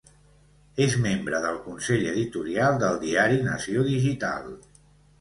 És membre del Consell Editorial del diari Nació Digital.